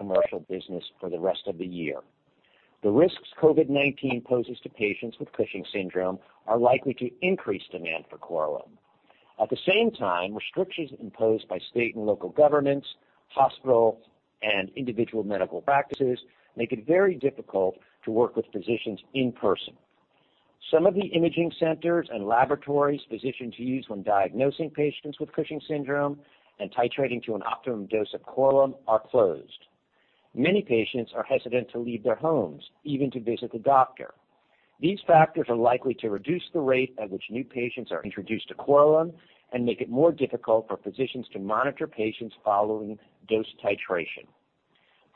Our commercial business for the rest of the year. The risks COVID-19 poses to patients with Cushing's syndrome are likely to increase demand for Korlym. At the same time, restrictions imposed by state and local governments, hospitals, and individual medical practices make it very difficult to work with physicians in person. Some of the imaging centers and laboratories physicians use when diagnosing patients with Cushing's syndrome and titrating to an optimum dose of Korlym are closed. Many patients are hesitant to leave their homes, even to visit the doctor. These factors are likely to reduce the rate at which new patients are introduced to Korlym and make it more difficult for physicians to monitor patients following dose titration.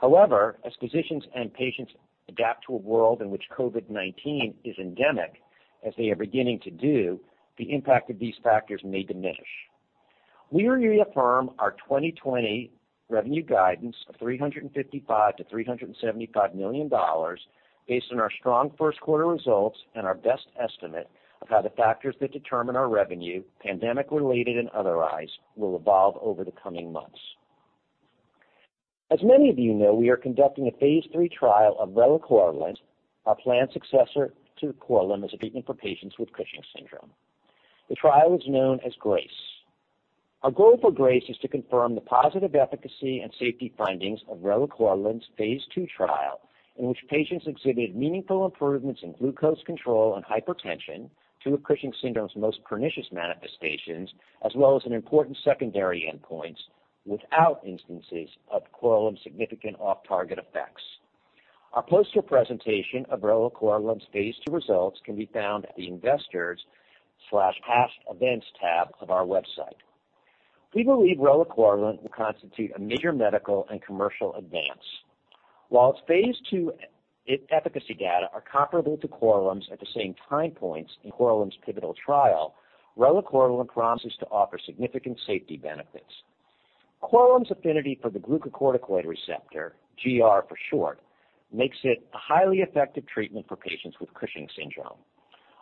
However, as physicians and patients adapt to a world in which COVID-19 is endemic, as they are beginning to do, the impact of these factors may diminish. We reaffirm our 2020 revenue guidance of $355 million-$375 million based on our strong first quarter results and our best estimate of how the factors that determine our revenue, pandemic-related and otherwise, will evolve over the coming months. As many of you know, we are conducting a phase III trial of relacorilant, our planned successor to Korlym, as a treatment for patients with Cushing's syndrome. The trial is known as GRACE. Our goal for GRACE is to confirm the positive efficacy and safety findings of relacorilant's phase II trial, in which patients exhibited meaningful improvements in glucose control and hypertension, two of Cushing's syndrome's most pernicious manifestations, as well as in important secondary endpoints without instances of Korlym's significant off-target effects. Our poster presentation of relacorilant's phase II results can be found at the Investors/Past Events tab of our website. We believe relacorilant will constitute a major medical and commercial advance. While its phase II efficacy data are comparable to Korlym's at the same time points in Korlym's pivotal trial, relacorilant promises to offer significant safety benefits. Korlym's affinity for the glucocorticoid receptor, GR for short, makes it a highly effective treatment for patients with Cushing's syndrome.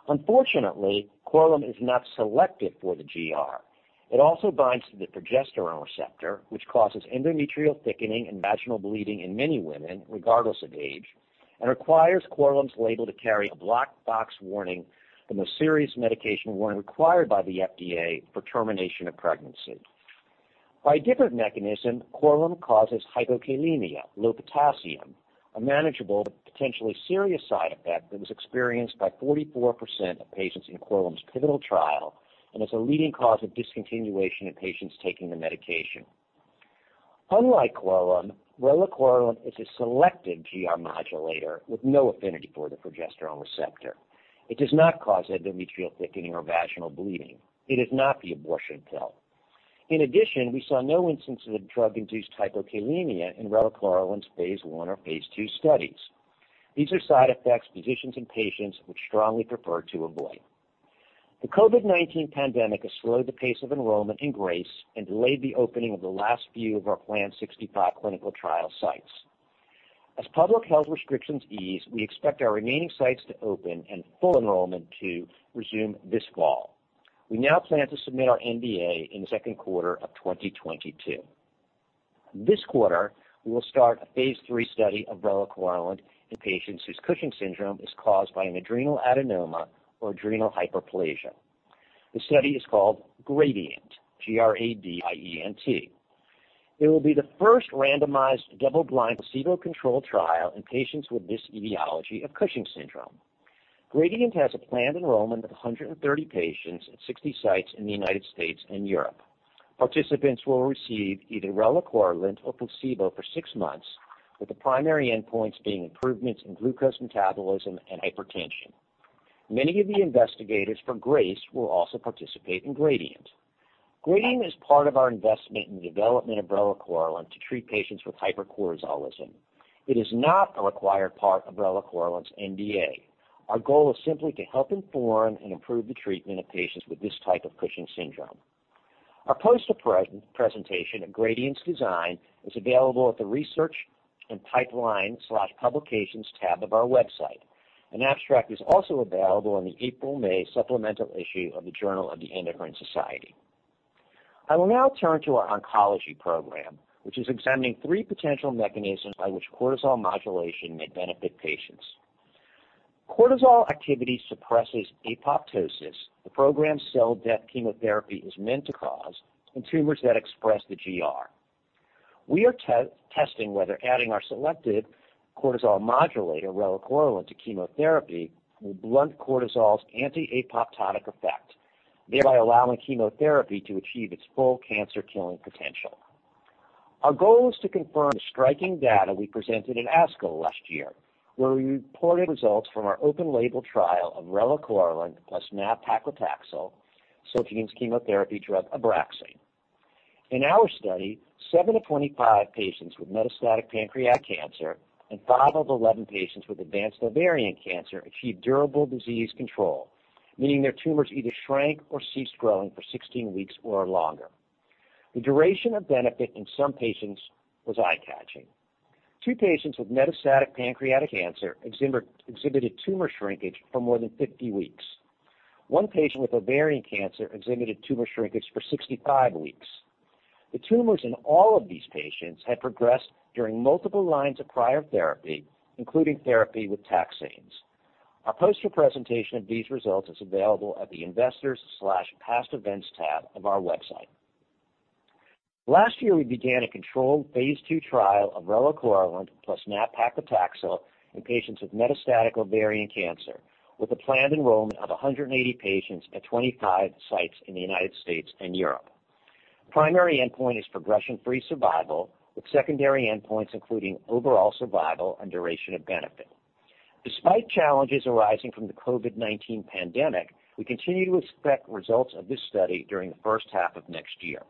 Unfortunately, Korlym is not selective for the GR. It also binds to the progesterone receptor, which causes endometrial thickening and vaginal bleeding in many women, regardless of age, and requires Korlym's label to carry a black box warning, the most serious medication warning required by the FDA, for termination of pregnancy. By a different mechanism, Korlym causes hypokalemia, low potassium, a manageable but potentially serious side effect that was experienced by 44% of patients in Korlym's pivotal trial and is a leading cause of discontinuation in patients taking the medication. Unlike Korlym, relacorilant is a selective GR modulator with no affinity for the progesterone receptor. It does not cause endometrial thickening or vaginal bleeding. It is not the abortion pill. In addition, we saw no instances of drug-induced hypokalemia in relacorilant's phase I or phase II studies. These are side effects physicians and patients would strongly prefer to avoid. The COVID-19 pandemic has slowed the pace of enrollment in GRACE and delayed the opening of the last few of our planned 65 clinical trial sites. As public health restrictions ease, we expect our remaining sites to open and full enrollment to resume this fall. We now plan to submit our NDA in the second quarter of 2022. This quarter, we will start a phase III study of relacorilant in patients whose Cushing's syndrome is caused by an adrenal adenoma or adrenal hyperplasia. The study is called GRADIENT, G-R-A-D-I-E-N-T. It will be the first randomized double-blind placebo-controlled trial in patients with this etiology of Cushing's syndrome. GRADIENT has a planned enrollment of 130 patients at 60 sites in the United States and Europe. Participants will receive either relacorilant or placebo for six months, with the primary endpoints being improvements in glucose metabolism and hypertension. Many of the investigators for GRACE will also participate in GRADIENT. GRADIENT is part of our investment in the development of relacorilant to treat patients with hypercortisolism. It is not a required part of relacorilant's NDA. Our goal is simply to help inform and improve the treatment of patients with this type of Cushing's syndrome. Our poster presentation of GRADIENT's design is available at the Research and Pipeline/Publications tab of our website. An abstract is also available in the April/May supplemental issue of the "Journal of the Endocrine Society." I will now turn to our oncology program, which is examining three potential mechanisms by which cortisol modulation may benefit patients. Cortisol activity suppresses apoptosis, the programmed cell death chemotherapy is meant to cause in tumors that express the GR. We are testing whether adding our selective cortisol modulator, relacorilant, to chemotherapy will blunt cortisol's anti-apoptotic effect, thereby allowing chemotherapy to achieve its full cancer-killing potential. Our goal is to confirm the striking data we presented in ASCO last year, where we reported results from our open-label trial of relacorilant plus nab-paclitaxel, Celgene's chemotherapy drug ABRAXANE. In our study, seven of 25 patients with metastatic pancreatic cancer and five of 11 patients with advanced ovarian cancer achieved durable disease control, meaning their tumors either shrank or ceased growing for 16 weeks or longer. The duration of benefit in some patients was eye-catching. Two patients with metastatic pancreatic cancer exhibited tumor shrinkage for more than 50 weeks. One patient with ovarian cancer exhibited tumor shrinkage for 65 weeks. The tumors in all of these patients had progressed during multiple lines of prior therapy, including therapy with taxanes. Our poster presentation of these results is available at the Investors/Past Events tab of our website. Last year, we began a controlled phase II trial of relacorilant plus nab-paclitaxel in patients with metastatic ovarian cancer, with a planned enrollment of 180 patients at 25 sites in the United States and Europe. The primary endpoint is progression-free survival, with secondary endpoints including overall survival and duration of benefit. Despite challenges arising from the COVID-19 pandemic, we continue to expect results of this study during the first half of next year.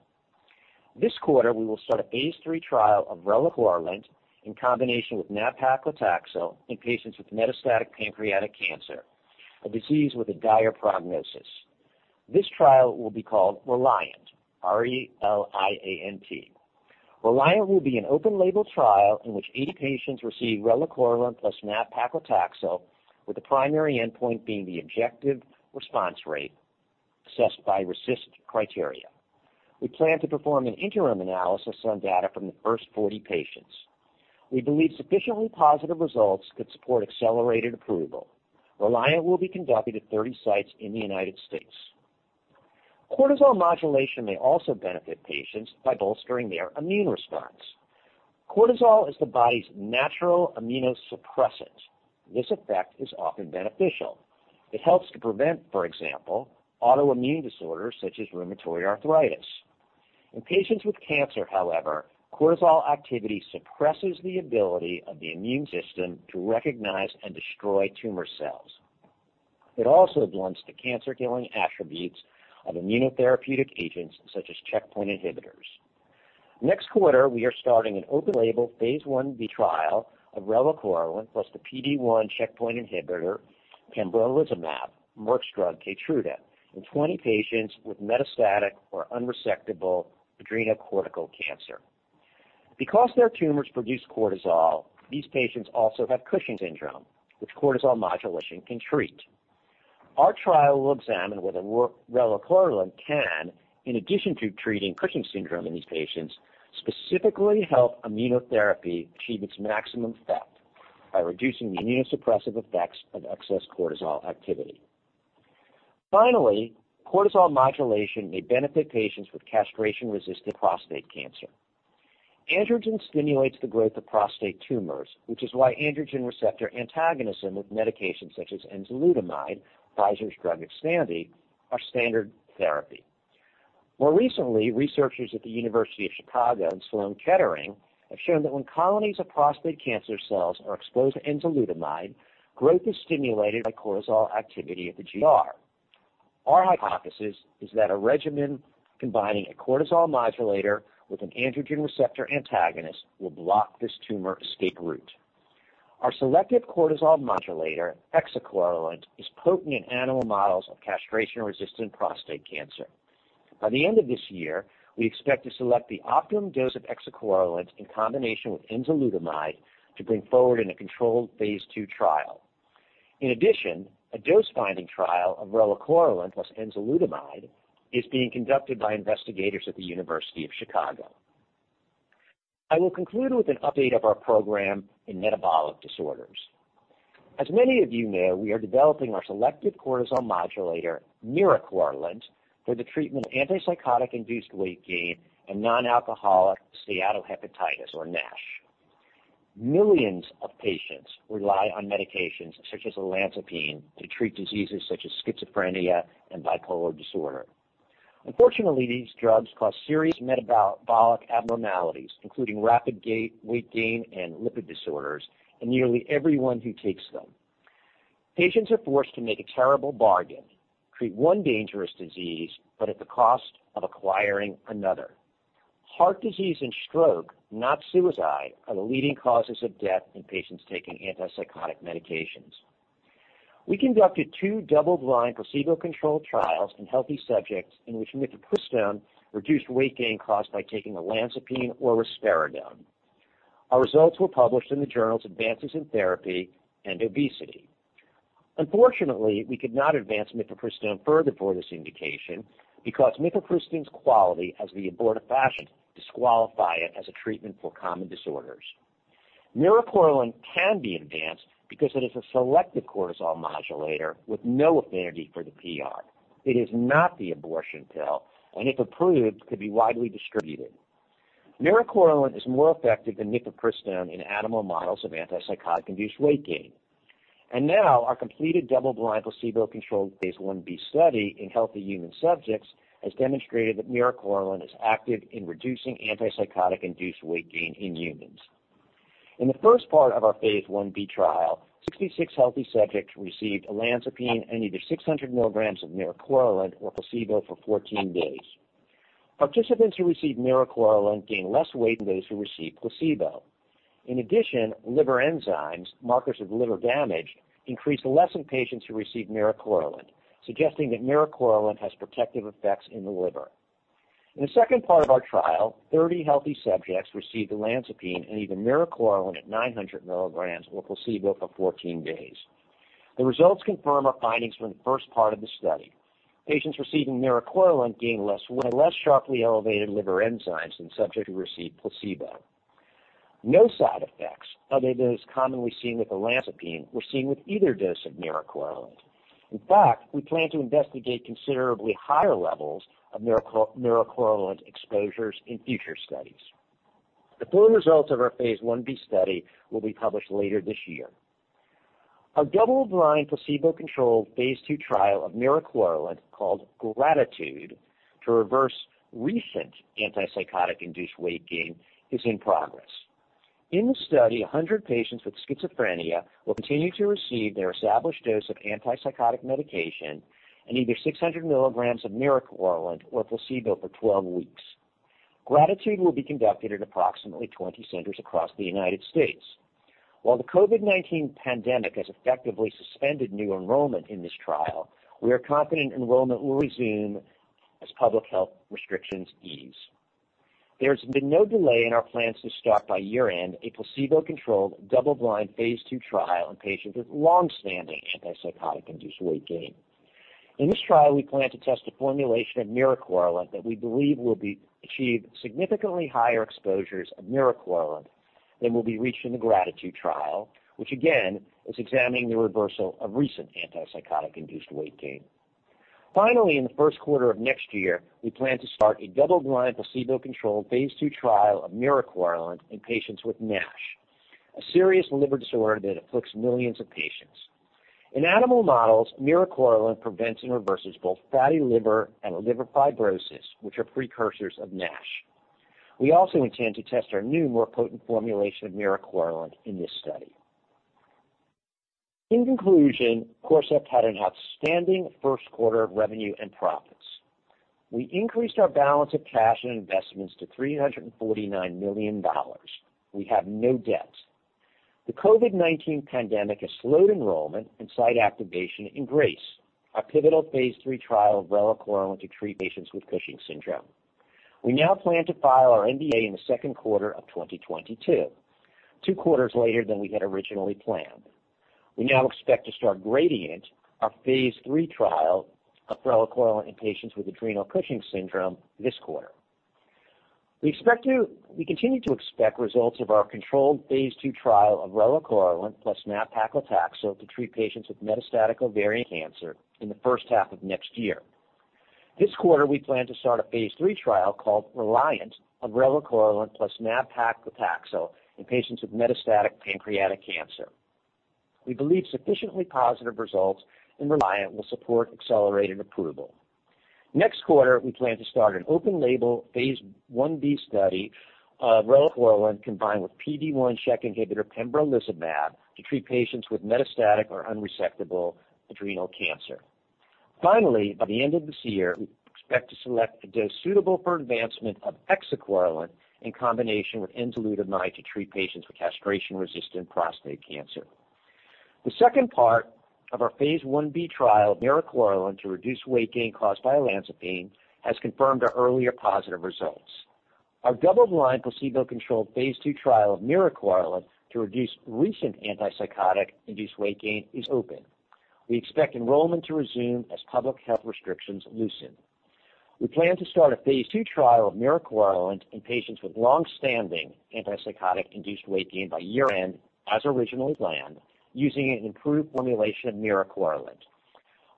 This quarter, we will start a Phase III trial of relacorilant in combination with nab-paclitaxel in patients with metastatic pancreatic cancer, a disease with a dire prognosis. This trial will be called RELIANT, R-E-L-I-A-N-T. RELIANT will be an open-label trial in which 80 patients receive relacorilant plus nab-paclitaxel, with the primary endpoint being the objective response rate assessed by RECIST criteria. We plan to perform an interim analysis on data from the first 40 patients. We believe sufficiently positive results could support accelerated approval. RELIANT will be conducted at 30 sites in the United States. Cortisol modulation may also benefit patients by bolstering their immune response. Cortisol is the body's natural immunosuppressant. This effect is often beneficial. It helps to prevent, for example, autoimmune disorders such as rheumatoid arthritis. In patients with cancer, however, cortisol activity suppresses the ability of the immune system to recognize and destroy tumor cells. It also blunts the cancer-killing attributes of immunotherapeutic agents, such as checkpoint inhibitors. Next quarter, we are starting an open-label Phase I-B trial of relacorilant plus the PD-1 checkpoint inhibitor pembrolizumab, Merck's drug KEYTRUDA, in 20 patients with metastatic or unresectable adrenocortical cancer. Because their tumors produce cortisol, these patients also have Cushing's syndrome, which cortisol modulation can treat. Our trial will examine whether relacorilant can, in addition to treating Cushing's syndrome in these patients, specifically help immunotherapy achieve its maximum effect by reducing the immunosuppressive effects of excess cortisol activity. Finally, cortisol modulation may benefit patients with castration-resistant prostate cancer. Androgen stimulates the growth of prostate tumors, which is why androgen receptor antagonism with medications such as enzalutamide, Pfizer Inc.'s drug XTANDI, are standard therapy. More recently, researchers at the University of Chicago and Sloan Kettering have shown that when colonies of prostate cancer cells are exposed to enzalutamide, growth is stimulated by cortisol activity at the GR. Our hypothesis is that a regimen combining a cortisol modulator with an androgen receptor antagonist will block this tumor escape route. Our selective cortisol modulator, exicorilant, is potent in animal models of castration-resistant prostate cancer. By the end of this year, we expect to select the optimum dose of exicorilant in combination with enzalutamide to bring forward in a controlled phase II trial. In addition, a dose-finding trial of relacorilant plus enzalutamide is being conducted by investigators at the University of Chicago. I will conclude with an update of our program in metabolic disorders. As many of you know, we are developing our selective cortisol modulator, miricorilant, for the treatment of antipsychotic-induced weight gain and non-alcoholic steatohepatitis or NASH. Millions of patients rely on medications such as olanzapine to treat diseases such as schizophrenia and bipolar disorder. Unfortunately, these drugs cause serious metabolic abnormalities, including rapid weight gain and lipid disorders in nearly everyone who takes them. Patients are forced to make a terrible bargain: treat one dangerous disease, but at the cost of acquiring another. Heart disease and stroke, not suicide, are the leading causes of death in patients taking antipsychotic medications. We conducted two double-blind, placebo-controlled trials in healthy subjects in which mifepristone reduced weight gain caused by taking olanzapine or risperidone. Our results were published in the journals Advances in Therapy and Obesity. Unfortunately, we could not advance mifepristone further for this indication because mifepristone's quality as the abortifacient disqualify it as a treatment for common disorders. miricorilant can be advanced because it is a selective cortisol modulator with no affinity for the PR. It is not the abortion pill and, if approved, could be widely distributed. miricorilant is more effective than mifepristone in animal models of antipsychotic-induced weight gain. Now our completed double-blind, placebo-controlled phase I-B study in healthy human subjects has demonstrated that miricorilant is active in reducing antipsychotic-induced weight gain in humans. In the first part of our phase I-B trial, 66 healthy subjects received olanzapine and either 600 milligrams of miricorilant or placebo for 14 days. Participants who received miricorilant gained less weight than those who received placebo. In addition, liver enzymes, markers of liver damage, increased less in patients who received miricorilant, suggesting that miricorilant has protective effects in the liver. In the second part of our trial, 30 healthy subjects received olanzapine and either miricorilant at 900 milligrams or placebo for 14 days. The results confirm our findings from the first part of the study. Patients receiving miricorilant gained less weight and had less sharply elevated liver enzymes than subjects who received placebo. No side effects other than those commonly seen with olanzapine were seen with either dose of miricorilant. In fact, we plan to investigate considerably higher levels of miricorilant exposures in future studies. The full results of our phase I-B study will be published later this year. Our double-blind, placebo-controlled phase II trial of miricorilant, called GRATITUDE, to reverse recent antipsychotic-induced weight gain, is in progress. In the study, 100 patients with schizophrenia will continue to receive their established dose of antipsychotic medication and either 600 milligrams of miricorilant or placebo for 12 weeks. GRATITUDE will be conducted at approximately 20 centers across the United States. While the COVID-19 pandemic has effectively suspended new enrollment in this trial, we are confident enrollment will resume as public health restrictions ease. There's been no delay in our plans to start by year-end a placebo-controlled, double-blind phase II trial in patients with long-standing antipsychotic-induced weight gain. In this trial, we plan to test a formulation of miricorilant that we believe will achieve significantly higher exposures of miricorilant than will be reached in the GRATITUDE trial, which again, is examining the reversal of recent antipsychotic-induced weight gain. In the first quarter of next year, we plan to start a double-blind, placebo-controlled phase II trial of miricorilant in patients with NASH, a serious liver disorder that afflicts millions of patients. In animal models, miricorilant prevents and reverses both fatty liver and liver fibrosis, which are precursors of NASH. We also intend to test our new, more potent formulation of miricorilant in this study. Corcept had an outstanding first quarter of revenue and profits. We increased our balance of cash and investments to $349 million. We have no debt. The COVID-19 pandemic has slowed enrollment and site activation in GRACE, our pivotal phase III trial of relacorilant to treat patients with Cushing's syndrome. We now plan to file our NDA in the second quarter of 2022, two quarters later than we had originally planned. We now expect to start GRADIENT, our phase III trial of relacorilant in patients with adrenal Cushing's syndrome, this quarter. We continue to expect results of our controlled phase II trial of relacorilant plus nab-paclitaxel to treat patients with metastatic ovarian cancer in the first half of next year. This quarter, we plan to start a phase III trial called RELIANT of relacorilant plus nab-paclitaxel in patients with metastatic pancreatic cancer. We believe sufficiently positive results in RELIANT will support accelerated approval. Next quarter, we plan to start an open-label phase I-B study of relacorilant combined with PD-1 checkpoint inhibitor pembrolizumab to treat patients with metastatic or unresectable adrenal cancer. Finally, by the end of this year, we expect to select a dose suitable for advancement of exicorilant in combination with enzalutamide to treat patients with castration-resistant prostate cancer. The second part of our phase I-B trial of miricorilant to reduce weight gain caused by olanzapine has confirmed our earlier positive results. Our double-blind, placebo-controlled phase II trial of miricorilant to reduce recent antipsychotic-induced weight gain is open. We expect enrollment to resume as public health restrictions loosen. We plan to start a phase II trial of miricorilant in patients with long-standing antipsychotic-induced weight gain by year-end, as originally planned, using an improved formulation of miricorilant.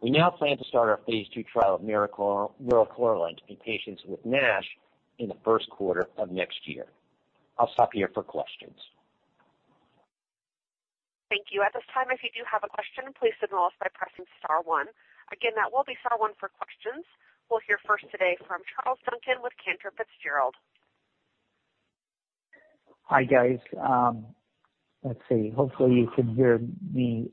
We now plan to start our phase II trial of miricorilant in patients with NASH in the first quarter of next year. I'll stop here for questions. Thank you. At this time, if you do have a question, please signal us by pressing star one. Again, that will be star one for questions. We'll hear first today from Charles Duncan with Cantor Fitzgerald. Hi, guys. Let's see. Hopefully, you can hear me.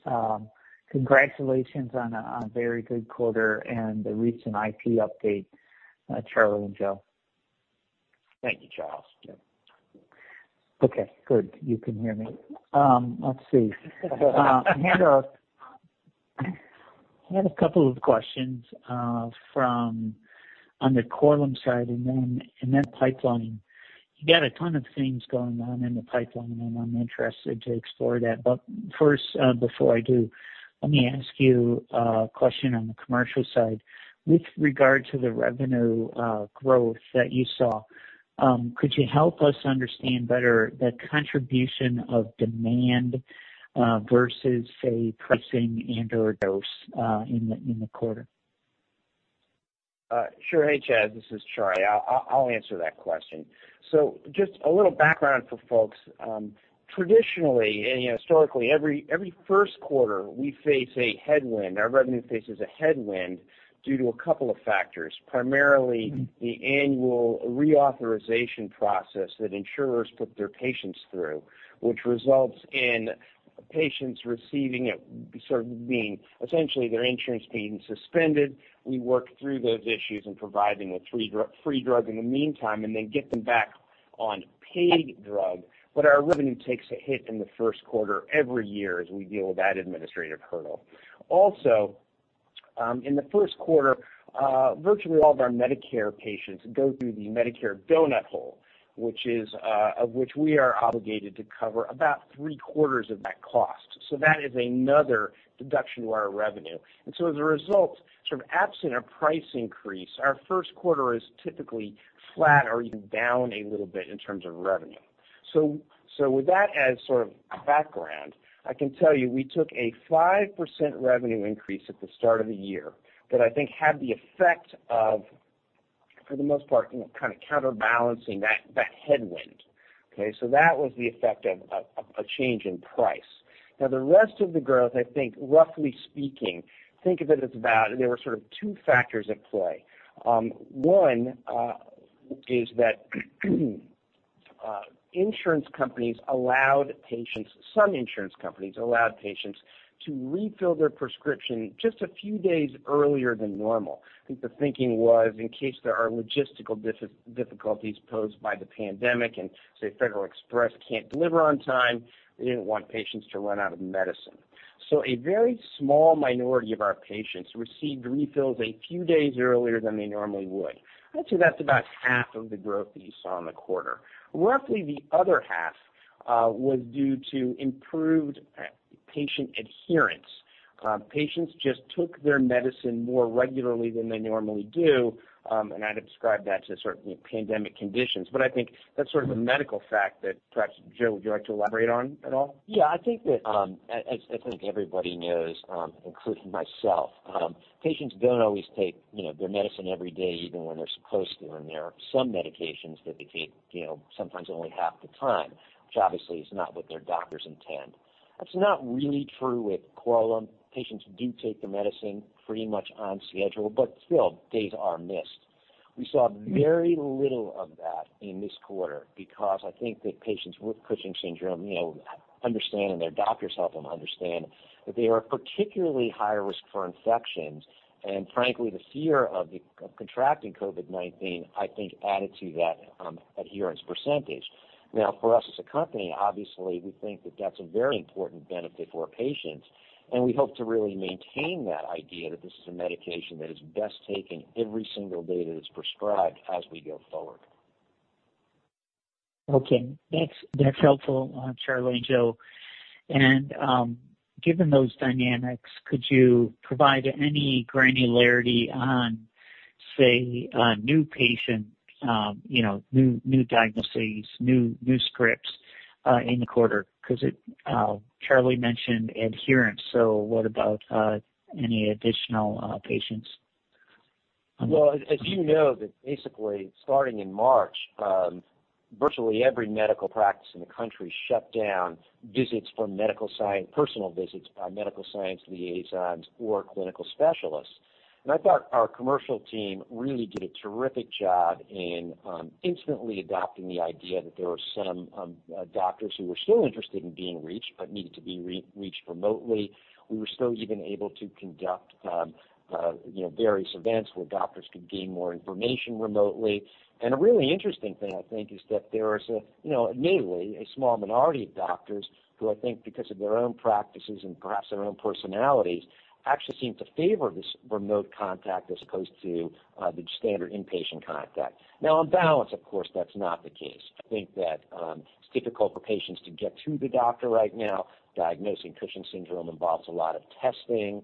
Congratulations on a very good quarter and the recent IP update, Charlie and Joe. Thank you, Charles. Okay, good. You can hear me. Let's see. I have a couple of questions from on the Korlym side and then pipeline. You got a ton of things going on in the pipeline, and I'm interested to explore that. First, before I do, let me ask you a question on the commercial side. With regard to the revenue growth that you saw, could you help us understand better the contribution of demand versus, say, pricing and/or dose in the quarter? Sure. Hey, Charles, this is Charlie. I'll answer that question. Just a little background for folks. Traditionally, and historically, every first quarter, we face a headwind. Our revenue faces a headwind due to a couple of factors, primarily the annual reauthorization process that insurers put their patients through, which results in patients receiving it sort of being essentially their insurance being suspended. We work through those issues and provide them with free drug in the meantime, and then get them back Our revenue takes a hit in the first quarter every year as we deal with that administrative hurdle. Also, in the first quarter, virtually all of our Medicare patients go through the Medicare donut hole, which we are obligated to cover about three-quarters of that cost. That is another deduction to our revenue. As a result, sort of absent a price increase, our first quarter is typically flat or even down a little bit in terms of revenue. With that as sort of background, I can tell you, we took a 5% revenue increase at the start of the year that I think had the effect of, for the most part, kind of counterbalancing that headwind. Okay, so that was the effect of a change in price. The rest of the growth, I think roughly speaking, think of it as about, there were sort of two factors at play. One is that insurance companies allowed patients, some insurance companies allowed patients to refill their prescription just a few days earlier than normal. I think the thinking was, in case there are logistical difficulties posed by the pandemic and, say, Federal Express can't deliver on time, they didn't want patients to run out of medicine. A very small minority of our patients received refills a few days earlier than they normally would. I'd say that's about half of the growth that you saw in the quarter. Roughly the other half was due to improved patient adherence. Patients just took their medicine more regularly than they normally do. I'd ascribe that to certain pandemic conditions. I think that's sort of a medical fact that perhaps, Joe, would you like to elaborate on at all? Yeah, I think everybody knows, including myself, patients don't always take their medicine every day, even when they're supposed to. There are some medications that they take sometimes only half the time, which obviously is not what their doctors intend. That's not really true with Korlym. Patients do take the medicine pretty much on schedule, but still, days are missed. We saw very little of that in this quarter because I think that patients with Cushing's syndrome understand, and their doctors help them understand, that they are particularly high risk for infections. Frankly, the fear of contracting COVID-19, I think, added to that adherence %. For us as a company, obviously, we think that that's a very important benefit for our patients, and we hope to really maintain that idea that this is a medication that is best taken every single day that it's prescribed as we go forward. Okay. That's helpful, Charlie and Joe. Given those dynamics, could you provide any granularity on, say, new patients, new diagnoses, new scripts in the quarter? Charlie mentioned adherence. What about any additional patients? Well, as you know, that basically starting in March, virtually every medical practice in the country shut down personal visits by medical science liaisons or clinical specialists. I thought our commercial team really did a terrific job in instantly adopting the idea that there were some doctors who were still interested in being reached but needed to be reached remotely. We were still even able to conduct various events where doctors could gain more information remotely. A really interesting thing, I think, is that there is, admittedly, a small minority of doctors who I think because of their own practices and perhaps their own personalities, actually seem to favor this remote contact as opposed to the standard in-patient contact. On balance, of course, that's not the case. I think that it's difficult for patients to get to the doctor right now. Diagnosing Cushing's syndrome involves a lot of testing.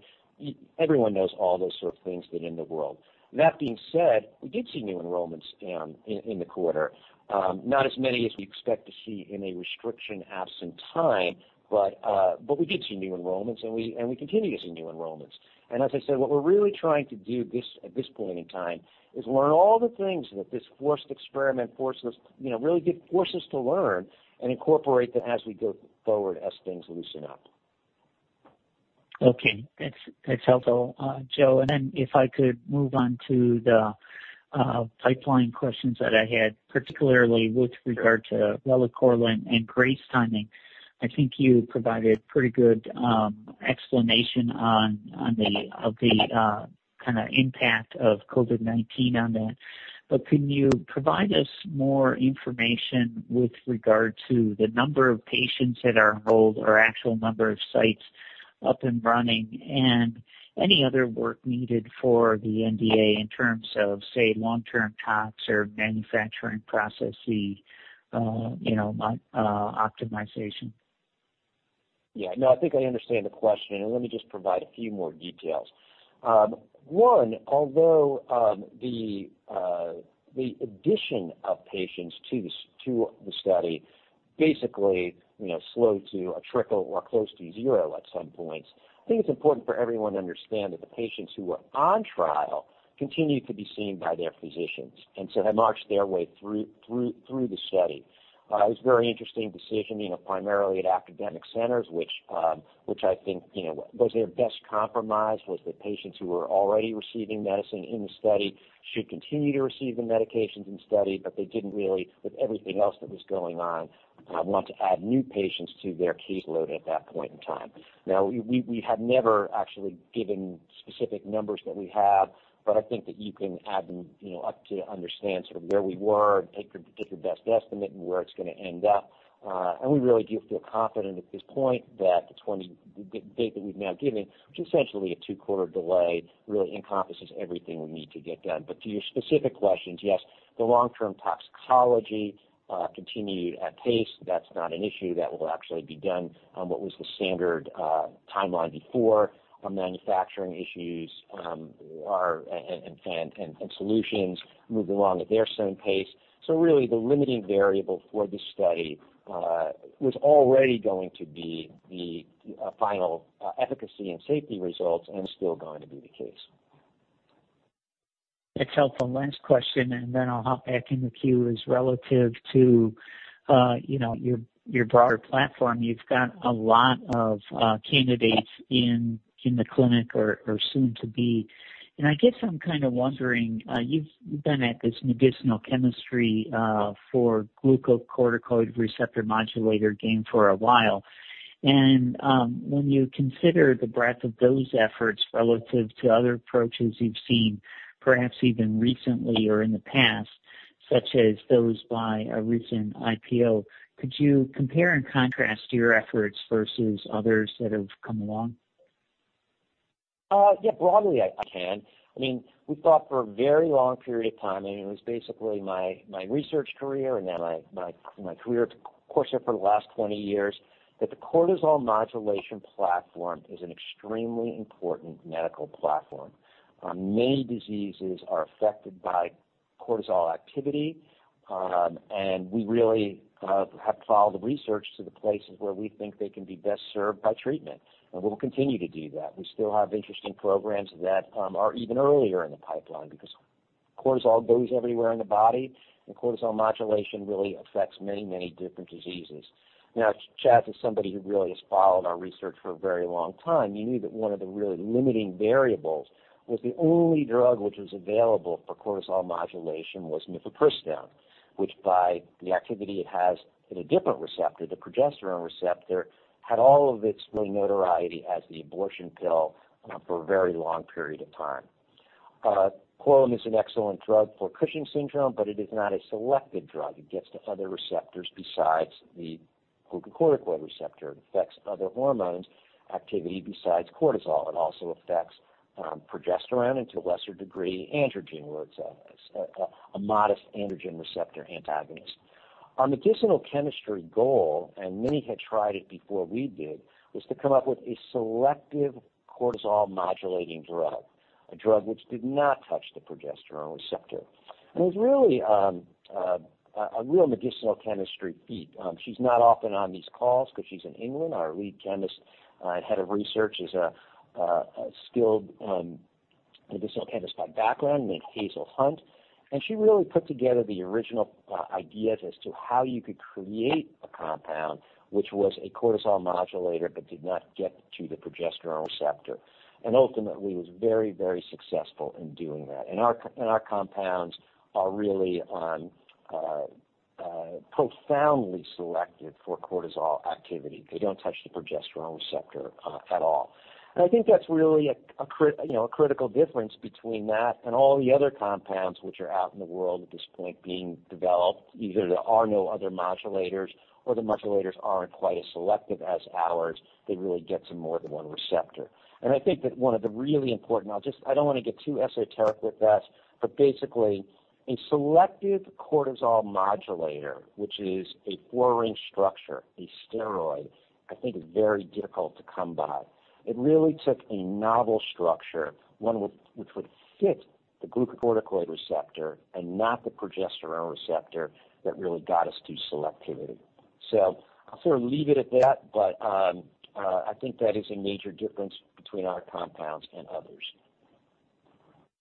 Everyone knows all those sort of things that are in the world. That being said, we did see new enrollments in the quarter. Not as many as we expect to see in a restriction-absent time, but we did see new enrollments, and we continue to see new enrollments. As I said, what we're really trying to do at this point in time is learn all the things that this forced experiment really forces us to learn and incorporate them as we go forward, as things loosen up. Okay. That's helpful. Joe, if I could move on to the pipeline questions that I had, particularly with regard to relacorilant and GRACE timing. I think you provided pretty good explanation of the impact of COVID-19 on that. Can you provide us more information with regard to the number of patients that are enrolled or actual number of sites up and running? Any other work needed for the NDA in terms of, say, long-term tox or manufacturing processes optimization? Yeah. No, I think I understand the question, and let me just provide a few more details. One, although the addition of patients to the study basically slowed to a trickle or close to zero at some points. I think it is important for everyone to understand that the patients who were on trial continued to be seen by their physicians, and so they marched their way through the study. It was a very interesting decision, primarily at academic centers, which I think was their best compromise, was the patients who were already receiving medicine in the study should continue to receive the medications in study, but they didn't really, with everything else that was going on, want to add new patients to their caseload at that point in time. We have never actually given specific numbers that we have, but I think that you can add them up to understand sort of where we were and take your best estimate and where it's going to end up. We really do feel confident at this point that the date that we've now given, which is essentially a two-quarter delay, really encompasses everything we need to get done. To your specific questions, yes, the long-term toxicology continued at pace. That's not an issue. That will actually be done on what was the standard timeline before. Our manufacturing issues and solutions moved along at their same pace. Really, the limiting variable for this study was already going to be the final efficacy and safety results and still going to be the case. That's helpful. Last question, and then I'll hop back in the queue, is relative to your broader platform. You've got a lot of candidates in the clinic or soon to be. I guess I'm kind of wondering, you've been at this medicinal chemistry for glucocorticoid receptor modulator game for a while, and when you consider the breadth of those efforts relative to other approaches you've seen, perhaps even recently or in the past, such as those by a recent IPO, could you compare and contrast your efforts versus others that have come along? Yeah, broadly, I can. We thought for a very long period of time, and it was basically my research career and then my career at Corcept for the last 20 years, that the cortisol modulation platform is an extremely important medical platform. Many diseases are affected by cortisol activity, and we really have followed the research to the places where we think they can be best served by treatment, and we'll continue to do that. We still have interesting programs that are even earlier in the pipeline because cortisol goes everywhere in the body, and cortisol modulation really affects many different diseases. If Charles is somebody who really has followed our research for a very long time, you knew that one of the really limiting variables was the only drug which was available for cortisol modulation was mifepristone, which by the activity it has in a different receptor, the progesterone receptor, had all of its notoriety as the abortion pill for a very long period of time. Korlym is an excellent drug for Cushing's syndrome, but it is not a selective drug. It gets to other receptors besides the glucocorticoid receptor. It affects other hormones' activity besides cortisol. It also affects progesterone and to a lesser degree, androgen, where it's a modest androgen receptor antagonist. Our medicinal chemistry goal, and many had tried it before we did, was to come up with a selective cortisol modulating drug, a drug which did not touch the progesterone receptor. It was really a real medicinal chemistry feat. She's not often on these calls because she's in England. Our lead chemist and head of research is a skilled medicinal chemist by background, named Hazel Hunt. She really put together the original ideas as to how you could create a compound which was a cortisol modulator but did not get to the progesterone receptor, and ultimately was very successful in doing that. Our compounds are really profoundly selective for cortisol activity. They don't touch the progesterone receptor at all. I think that's really a critical difference between that and all the other compounds which are out in the world at this point being developed. Either there are no other modulators or the modulators aren't quite as selective as ours. They really get to more than one receptor. I don't want to get too esoteric with this, but basically a selective cortisol modulator, which is a four-ring structure, a steroid, I think is very difficult to come by. It really took a novel structure, one which would fit the glucocorticoid receptor and not the progesterone receptor, that really got us to selectivity. I'll sort of leave it at that, but I think that is a major difference between our compounds and others.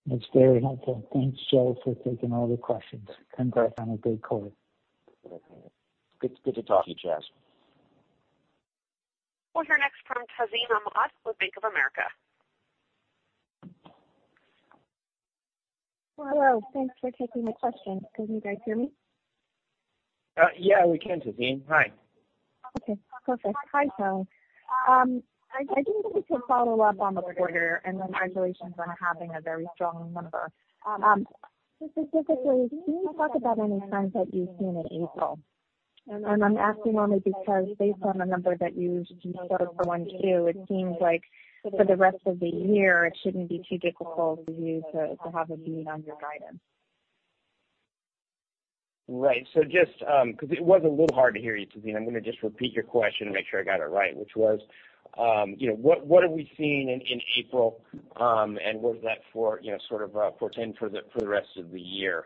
That's very helpful. Thanks, Joe, for taking all the questions. Congrats on a good quarter. Good to talk to you, Charles. We'll hear next from Tazeen Ahmad with Bank of America. Hello. Thanks for taking my question. Can you guys hear me? Yeah, we can, Tazeen. Hi. Okay, perfect. Hi, Joe. I just wanted to follow up on the quarter and congratulations on having a very strong number. Specifically, can you talk about any trends that you've seen in April? I'm asking only because based on the number that you showed for Q1 2020, it seems like for the rest of the year, it shouldn't be too difficult for you to have a beat on your guidance. Right. Just because it was a little hard to hear you, Tazeen, I'm going to just repeat your question and make sure I got it right, which was, what are we seeing in April, and what does that portend for the rest of the year,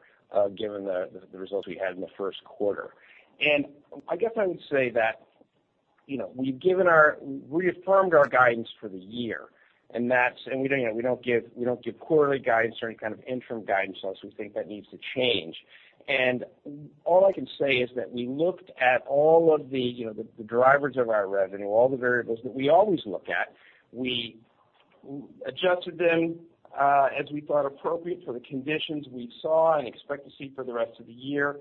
given the results we had in the first quarter? I guess I would say that. We've reaffirmed our guidance for the year. We don't give quarterly guidance or any kind of interim guidance unless we think that needs to change. All I can say is that we looked at all of the drivers of our revenue, all the variables that we always look at. We adjusted them as we thought appropriate for the conditions we saw and expect to see for the rest of the year,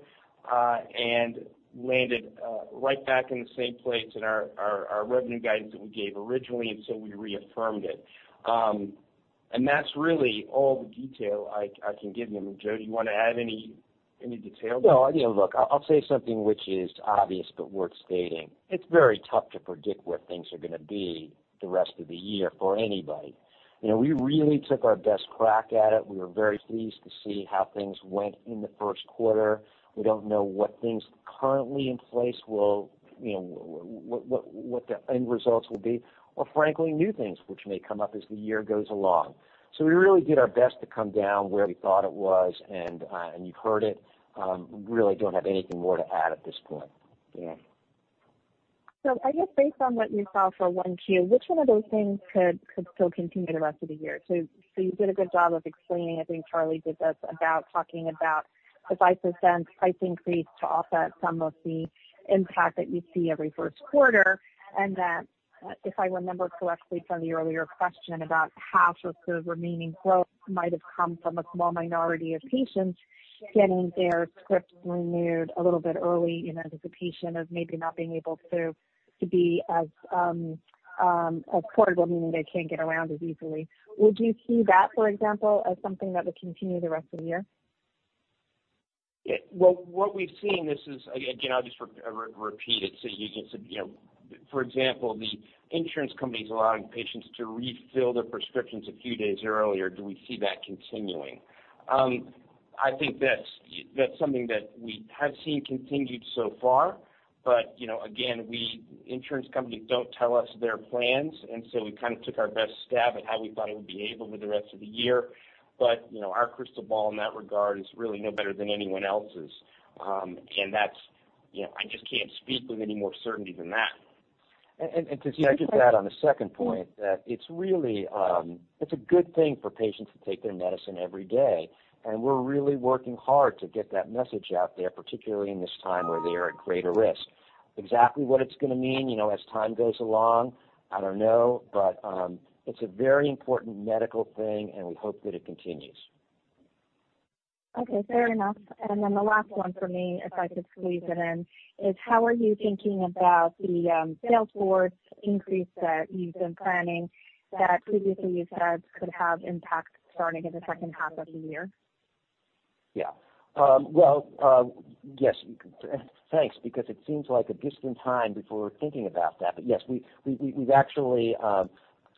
and landed right back in the same place in our revenue guidance that we gave originally. So we reaffirmed it. That's really all the detail I can give you. I mean, Joe, do you want to add any details? No. Look, I'll say something which is obvious but worth stating. It's very tough to predict what things are going to be the rest of the year for anybody. We really took our best crack at it. We were very pleased to see how things went in the first quarter. We don't know what things currently in place, what the end results will be, or frankly, new things which may come up as the year goes along. We really did our best to come down where we thought it was, and you've heard it. Really don't have anything more to add at this point. Yeah. I guess based on what you saw for 1Q, which one of those things could still continue the rest of the year? You did a good job of explaining, I think Charlie did this, about talking about devices and price increase to offset some of the impact that you see every first quarter, and that, if I remember correctly from the earlier question about half of the remaining growth might have come from a small minority of patients getting their scripts renewed a little bit early in anticipation of maybe not being able to be as portable, meaning they can't get around as easily. Would you see that, for example, as something that would continue the rest of the year? Well, what we've seen, again, I'll just repeat it. For example, the insurance companies allowing patients to refill their prescriptions a few days earlier. Do we see that continuing? I think that's something that we have seen continued so far. Again, insurance companies don't tell us their plans, and so we took our best stab at how we thought it would be able for the rest of the year. Our crystal ball in that regard is really no better than anyone else's. I just can't speak with any more certainty than that. To second that on a second point, that it's a good thing for patients to take their medicine every day, and we're really working hard to get that message out there, particularly in this time where they are at greater risk. Exactly what it's going to mean as time goes along, I don't know, but it's a very important medical thing, and we hope that it continues. Okay, fair enough. The last one for me, if I could squeeze it in, is how are you thinking about the sales force increase that you've been planning that previously you said could have impact starting in the second half of the year? Well, yes. Thanks, because it seems like a distant time before we're thinking about that. Yes, we've actually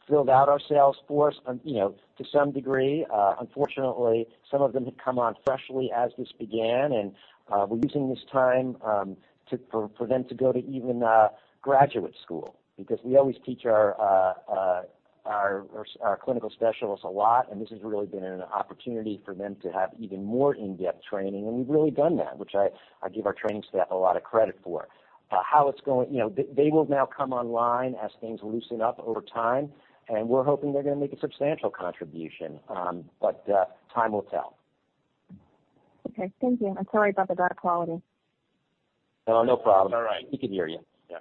filled out our sales force to some degree. Unfortunately, some of them had come on freshly as this began, and we're using this time for them to go to even graduate school because we always teach our clinical specialists a lot, and this has really been an opportunity for them to have even more in-depth training. We've really done that, which I give our training staff a lot of credit for. They will now come online as things loosen up over time, and we're hoping they're going to make a substantial contribution. Time will tell. Okay. Thank you. I'm sorry about the bad quality. Oh, no problem. It's all right. We can hear you. Yeah.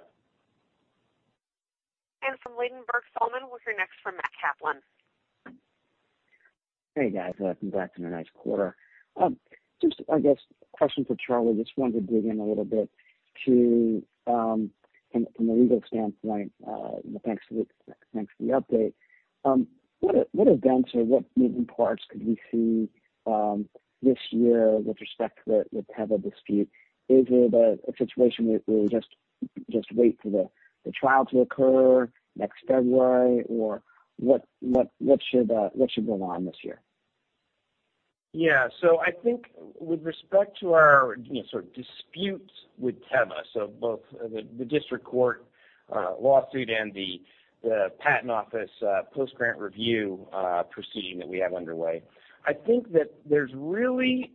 From Ladenburg Thalmann, we'll hear next from Matt Kaplan. Hey, guys. Congrats on a nice quarter. Just, I guess, question for Charlie. Just wanted to dig in a little bit from a legal standpoint. Thanks for the update. What events or what moving parts could we see this year with respect to the Teva dispute? Is it a situation where we just wait for the trial to occur next February? What should go on this year? Yeah. I think with respect to our sort of disputes with Teva, both the district court lawsuit and the patent office post-grant review proceeding that we have underway, I think that there's really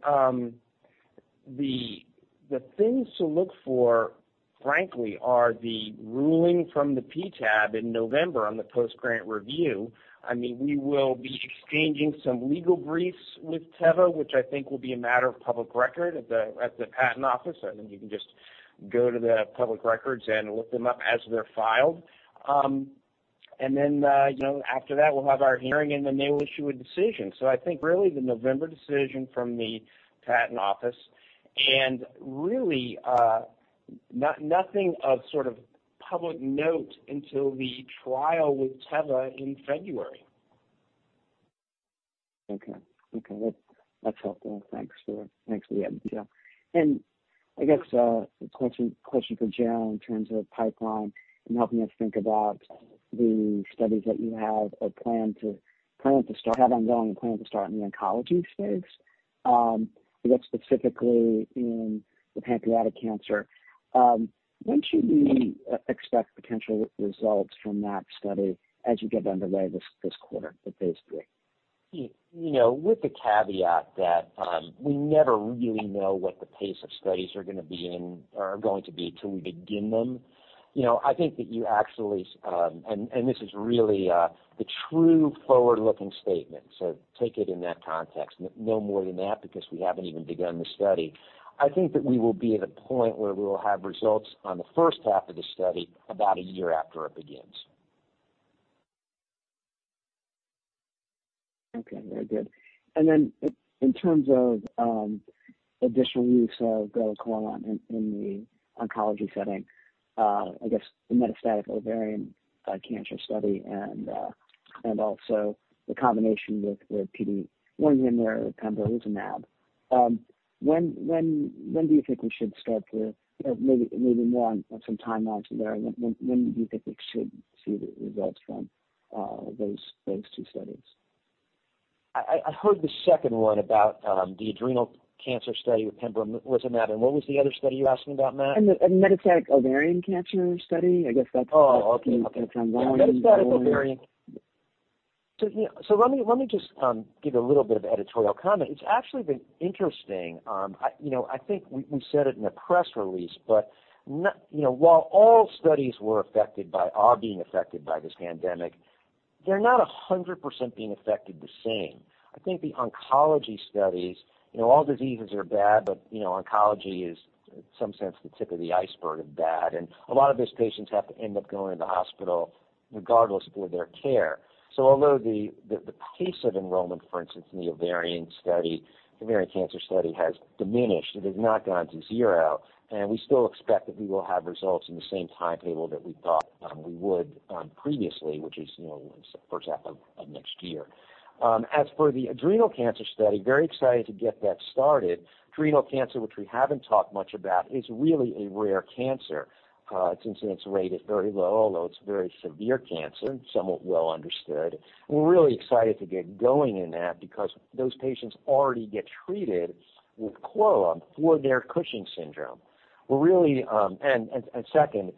the things to look for, frankly, are the ruling from the PTAB in November on the post-grant review. We will be exchanging some legal briefs with Teva, which I think will be a matter of public record at the patent office. You can just go to the public records and look them up as they're filed. After that, we'll have our hearing, and then they will issue a decision. I think really the November decision from the patent office, and really, nothing of sort of public note until the trial with Teva in February. Okay. That's helpful. Thanks for the added detail. I guess a question for Joe in terms of pipeline and helping us think about the studies that you have ongoing and plan to start in the oncology space, I guess specifically in the pancreatic cancer. When should we expect potential results from that study as you get underway this quarter with phase III? With the caveat that we never really know what the pace of studies are going to be until we begin them. I think that you actually and this is really the true forward-looking statement, so take it in that context. No more than that, because we haven't even begun the study. I think that we will be at a point where we will have results on the first half of the study about a year after it begins. Okay, very good. In terms of additional use of relacorilant in the oncology setting, I guess the metastatic ovarian cancer study and also the combination with PD-1 inhibitor pembrolizumab. Maybe more on some timelines there. When do you think we should see the results from those two studies? I heard the second one about the adrenocortical cancer study with pembrolizumab. What was the other study you asked me about, Matt? A metastatic ovarian cancer study. Oh, okay. the kind of timeline Let me just give a little bit of editorial comment. It's actually been interesting. I think we said it in a press release, but while all studies were affected by, are being affected by this pandemic, they're not 100% being affected the same. I think the oncology studies, all diseases are bad, but oncology is, in some sense, the tip of the iceberg of bad. A lot of these patients have to end up going to the hospital regardless for their care. Although the pace of enrollment, for instance, in the ovarian study, ovarian cancer study, has diminished, it has not gone to zero, and we still expect that we will have results in the same timetable that we thought we would previously, which is the first half of next year. As for the adrenal cancer study, very excited to get that started. Adrenal cancer, which we haven't talked much about, is really a rare cancer. Its incidence rate is very low, although it's a very severe cancer, and somewhat well understood. We're really excited to get going in that because those patients already get treated with Korlym for their Cushing's syndrome. Second,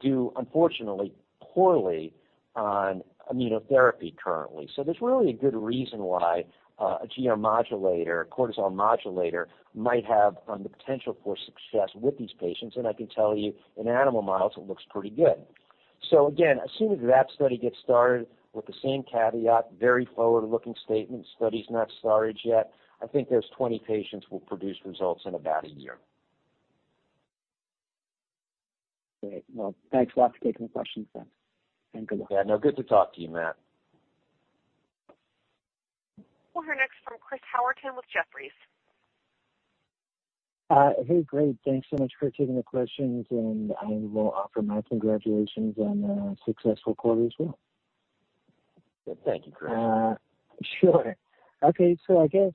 do unfortunately, poorly on immunotherapy currently. There's really a good reason why a GR modulator, a cortisol modulator, might have the potential for success with these patients. I can tell you in animal models, it looks pretty good. Again, as soon as that study gets started with the same caveat, very forward-looking statement, study's not started yet. I think those 20 patients will produce results in about a year. Great. Well, thanks a lot for taking the questions then. Good luck. Yeah, no, good to talk to you, Matt. We'll hear next from Chris Howerton with Jefferies. Hey, great. Thanks so much for taking the questions. I will offer my congratulations on a successful quarter as well. Thank you, Chris. Sure. Okay, I guess,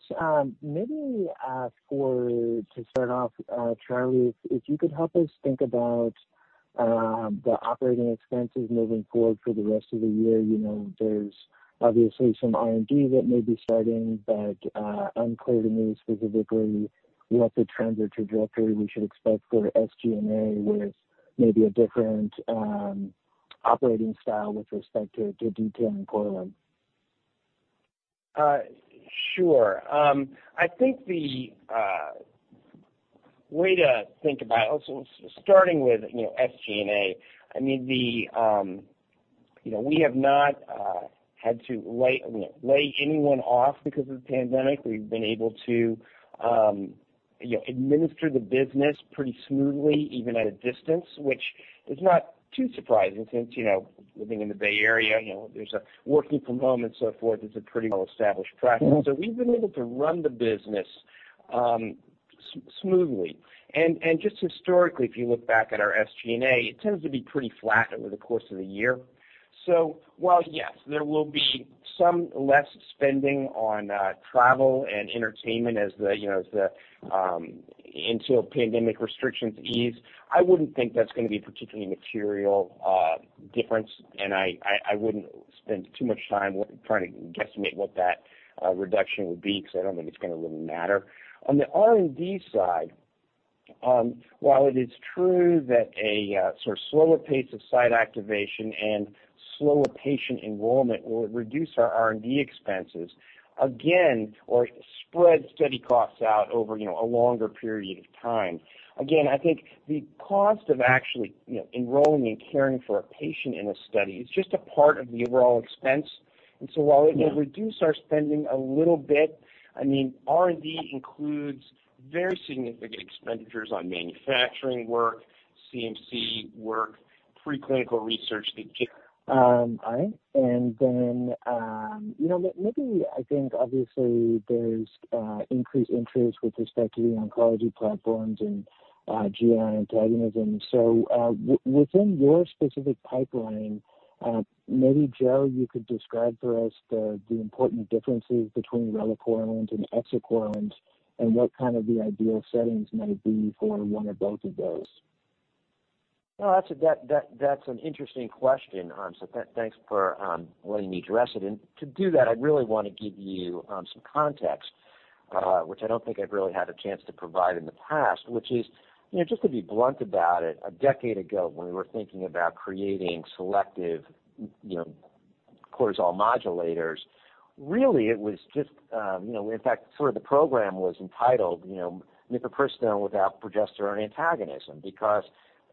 maybe to start off, Charlie, if you could help us think about the operating expenses moving forward for the rest of the year. There's obviously some R&D that may be starting, but unclear to me specifically what the trends or trajectory we should expect for SG&A with maybe a different operating style with respect to detailing Korlym. Sure. I think the way to think about, starting with SG&A, we have not had to lay anyone off because of the pandemic. We've been able to administer the business pretty smoothly, even at a distance, which is not too surprising since, living in the Bay Area, working from home and so forth is a pretty well-established practice. We've been able to run the business smoothly. Just historically, if you look back at our SG&A, it tends to be pretty flat over the course of the year. While, yes, there will be some less spending on travel and entertainment until pandemic restrictions ease, I wouldn't think that's going to be a particularly material difference, and I wouldn't spend too much time trying to guesstimate what that reduction would be, because I don't think it's going to really matter. On the R&D side, while it is true that a sort of slower pace of site activation and slower patient enrollment will reduce our R&D expenses, again, or spread study costs out over a longer period of time. Again, I think the cost of actually enrolling and caring for a patient in a study is just a part of the overall expense. While it may reduce our spending a little bit, R&D includes very significant expenditures on manufacturing work, CMC work, preclinical research. All right, maybe, I think obviously there's increased interest with respect to the oncology platforms and GR antagonism. Within your specific pipeline, maybe, Joe, you could describe for us the important differences between relacorilant and exicorilant, and what the ideal settings might be for one or both of those. That's an interesting question, thanks for letting me address it. To do that, I'd really want to give you some context. I don't think I've really had a chance to provide in the past, which is, just to be blunt about it, a decade ago, when we were thinking about creating selective cortisol modulators, really it was just, in fact, the program was entitled mifepristone without progesterone antagonism, because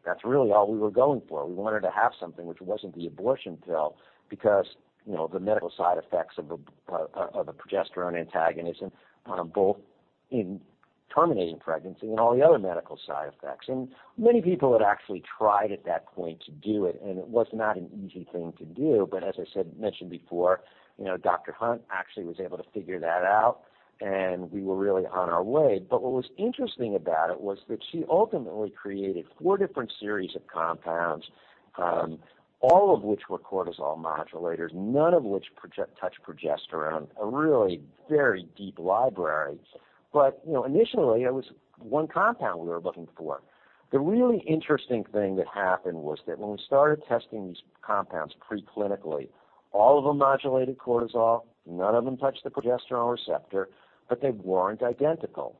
that's really all we were going for. We wanted to have something which wasn't the abortion pill because of the medical side effects of a progesterone antagonism, both in terminating pregnancy and all the other medical side effects. Many people had actually tried at that point to do it, and it was not an easy thing to do. As I mentioned before, Dr. Hunt actually was able to figure that out, and we were really on our way. What was interesting about it was that she ultimately created four different series of compounds, all of which were cortisol modulators, none of which touch progesterone, a really very deep library. Initially, it was one compound we were looking for. The really interesting thing that happened was that when we started testing these compounds preclinically, all of them modulated cortisol, none of them touched the progesterone receptor, but they weren't identical.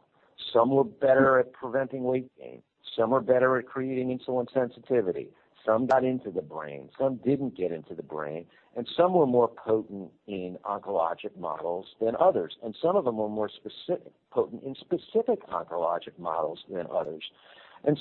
Some were better at preventing weight gain. Some were better at creating insulin sensitivity. Some got into the brain, some didn't get into the brain, and some were more potent in oncologic models than others. Some of them were more potent in specific oncologic models than others.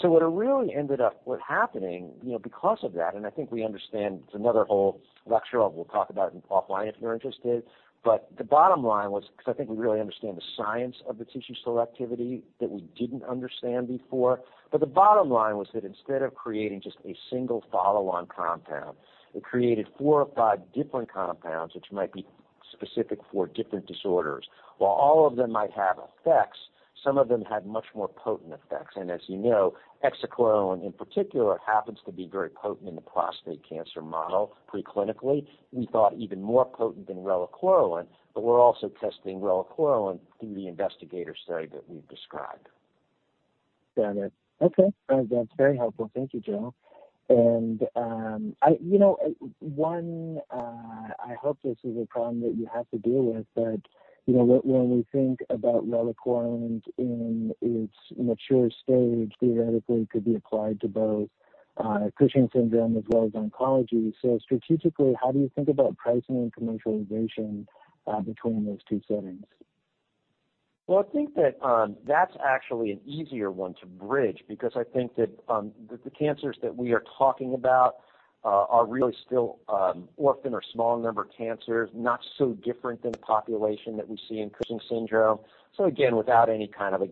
What really ended up happening because of that, and I think we understand it's another whole lecture, and we'll talk about it offline if you're interested, but the bottom line was, because I think we really understand the science of the tissue selectivity that we didn't understand before. The bottom line was that instead of creating just a single follow-on compound, it created four or five different compounds, which might be specific for different disorders. While all of them might have effects, some of them had much more potent effects. As you know, exicorilant, in particular, happens to be very potent in the prostate cancer model preclinically. We thought even more potent than relacorilant, but we're also testing relacorilant through the investigator study that we've described. Got it. Okay. That's very helpful. Thank you, Joe. I hope this is a problem that you have to deal with, but when we think about relacorilant in its mature stage, theoretically, it could be applied to both Cushing's syndrome as well as oncology. Strategically, how do you think about pricing and commercialization between those two settings? Well, I think that's actually an easier one to bridge because I think that the cancers that we are talking about are really still orphan or small number cancers, not so different than the population that we see in Cushing's syndrome. Again, without any kind of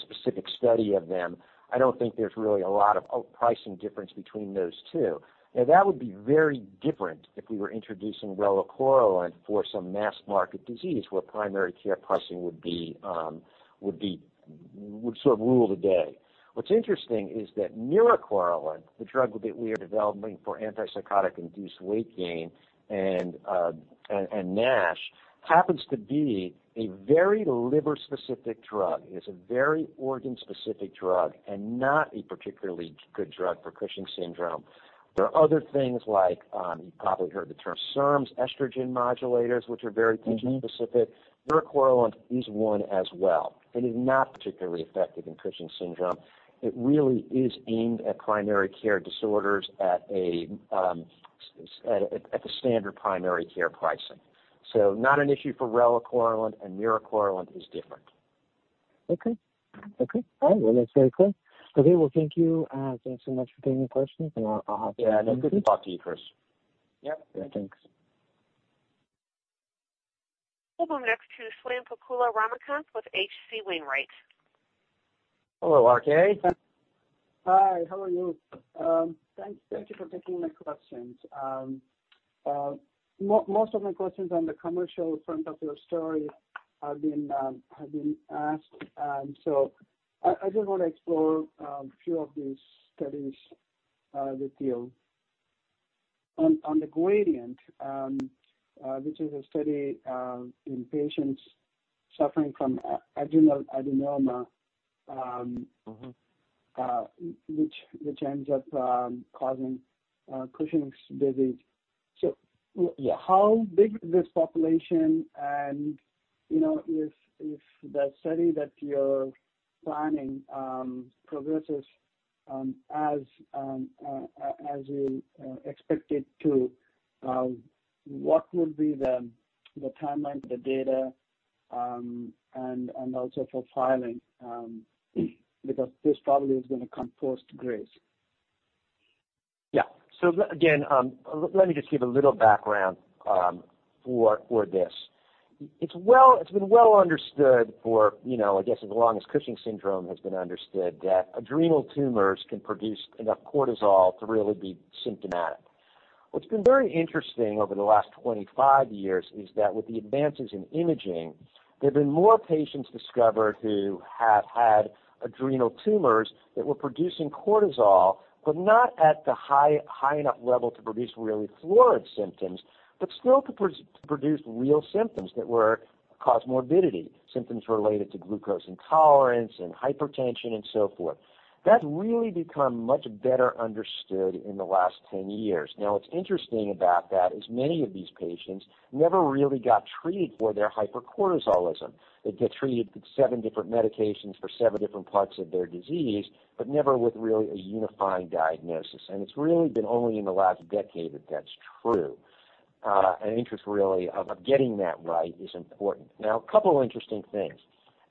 specific study of them, I don't think there's really a lot of pricing difference between those two. That would be very different if we were introducing relacorilant for some mass market disease where primary care pricing would sort of rule the day. What's interesting is that miricorilant, the drug that we are developing for antipsychotic-induced weight gain and NASH, happens to be a very liver-specific drug. It's a very organ-specific drug and not a particularly good drug for Cushing's syndrome. There are other things like, you've probably heard the term SERMs, estrogen modulators, which are very tissue specific. Miricorilant is one as well. It is not particularly effective in Cushing's syndrome. It really is aimed at primary care disorders at the standard primary care pricing. Not an issue for relacorilant and miricorilant is different. Okay. Well, that's very clear. Okay. Well, thank you. Thanks so much for taking the questions. Yeah. Good to talk to you, Chris. Yeah. Thanks. We'll go next to Swayampakula Ramakanth with H.C. Wainwright. Hello, RK. Hi, how are you? Thank you for taking my questions. Most of my questions on the commercial front of your story have been asked. I just want to explore a few of these studies with you. On the GRADIENT, which is a study in patients suffering from adrenal adenoma, which ends up causing Cushing's disease. How big is this population? If that study that you're planning progresses as you expect it to, what will be the timeline for the data, and also for filing, because this probably is going to come post GRACE. Yeah. Again, let me just give a little background for this. It's been well understood for, I guess, as long as Cushing's syndrome has been understood, that adrenal tumors can produce enough cortisol to really be symptomatic. What's been very interesting over the last 25 years is that with the advances in imaging, there have been more patients discovered who have had adrenal tumors that were producing cortisol, but not at the high enough level to produce really florid symptoms, but still to produce real symptoms that wereCause morbidity, symptoms related to glucose intolerance and hypertension and so forth. That's really become much better understood in the last 10 years. What's interesting about that is many of these patients never really got treated for their hypercortisolism. They'd get treated with seven different medications for seven different parts of their disease, but never with really a unifying diagnosis. It's really been only in the last decade that that's true. Interest, really, of getting that right is important. A couple of interesting things.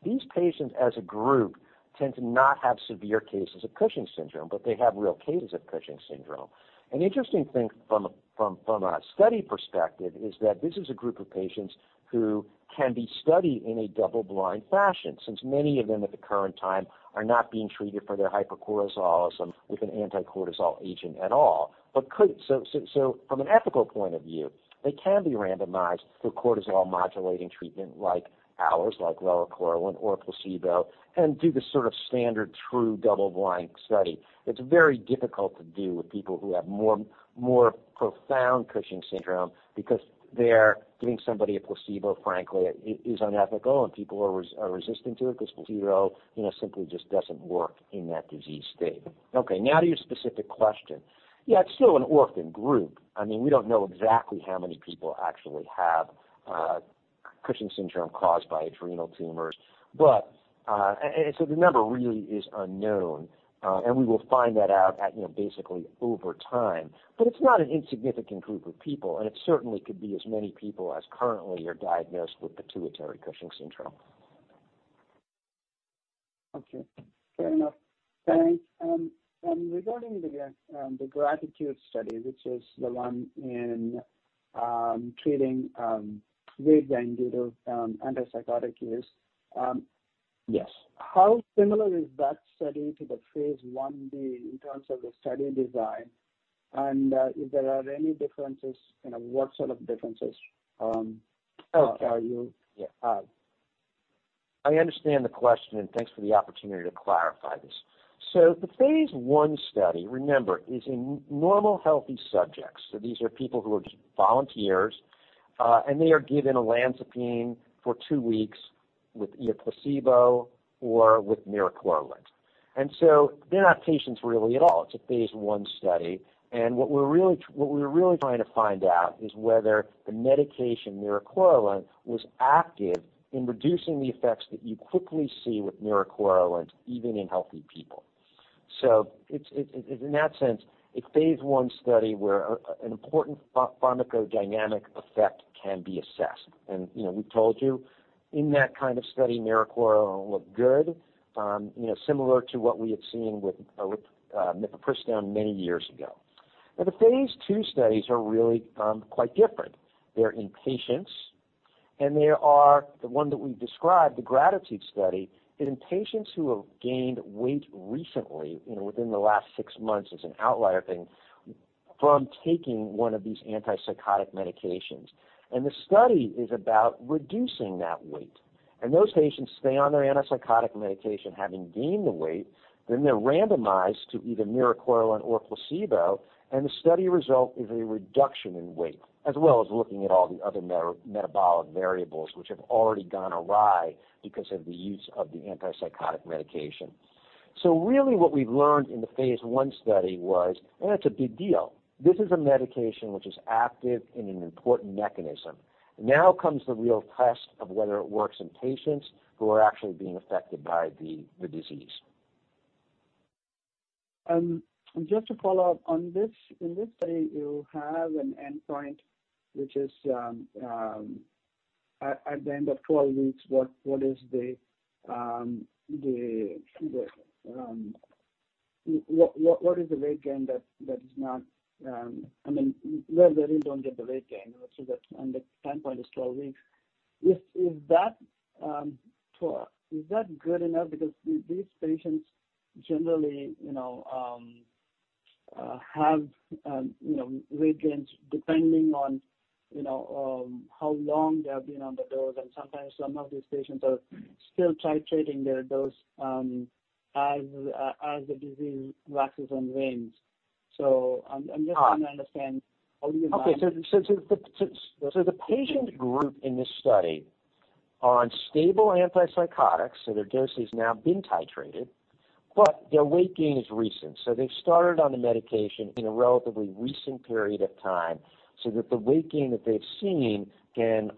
These patients, as a group, tend to not have severe cases of Cushing's syndrome, but they have real cases of Cushing's syndrome. Interesting thing from a study perspective is that this is a group of patients who can be studied in a double-blind fashion, since many of them at the current time are not being treated for their hypercortisolism with an anti-cortisol agent at all. From an ethical point of view, they can be randomized for cortisol-modulating treatment like ours, like relacorilant or a placebo, and do the sort of standard true double-blind study. It's very difficult to do with people who have more profound Cushing's syndrome because giving somebody a placebo, frankly, is unethical, and people are resistant to it because placebo simply just doesn't work in that disease state. Okay, now to your specific question. Yeah, it's still an orphan group. We don't know exactly how many people actually have Cushing's syndrome caused by adrenal tumors. The number really is unknown, and we will find that out basically over time. It's not an insignificant group of people, and it certainly could be as many people as currently are diagnosed with pituitary Cushing's syndrome. Okay. Fair enough. Thanks. Regarding the GRATITUDE study, which is the one in treating weight gain due to antipsychotics. Yes how similar is that study to the phase I-B in terms of the study design? If there are any differences, what sort of differences? Yeah. I understand the question, and thanks for the opportunity to clarify this. The phase I study, remember, is in normal, healthy subjects. These are people who are just volunteers, and they are given olanzapine for two weeks with either placebo or with miricorilant. They're not patients really at all. It's a phase I study. What we're really trying to find out is whether the medication, miricorilant, was active in reducing the effects that you quickly see with miricorilant, even in healthy people. In that sense, a phase I study where an important pharmacodynamic effect can be assessed. We told you, in that kind of study, miricorilant looked good. Similar to what we had seen with mifepristone many years ago. Now, the phase II studies are really quite different. They're in patients. The one that we described, the GRATITUDE study, is in patients who have gained weight recently, within the last six months as an outlier thing, from taking one of these antipsychotic medications. The study is about reducing that weight. Those patients stay on their antipsychotic medication, having gained the weight, then they're randomized to either miricorilant or placebo, and the study result is a reduction in weight, as well as looking at all the other metabolic variables which have already gone awry because of the use of the antipsychotic medication. Really what we've learned in the phase I study was, and it's a big deal, this is a medication which is active in an important mechanism. Now comes the real test of whether it works in patients who are actually being affected by the disease. Just to follow up on this. In this study, you have an endpoint, which is, at the end of 12 weeks, where they really don't get the weight gain, and the time point is 12 weeks. Is that good enough? These patients generally have weight gains depending on how long they have been on the dose, and sometimes some of these patients are still titrating their dose as the disease waxes and wanes. I'm just trying to understand how you. The patient group in this study are on stable antipsychotics. Their dose has now been titrated, but their weight gain is recent. They've started on the medication in a relatively recent period of time, so that the weight gain that they've seen can